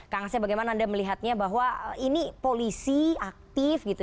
kang asep bagaimana anda melihatnya bahwa ini polisi aktif gitu